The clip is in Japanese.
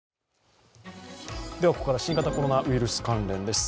ここからは新型コロナウイルス関連です。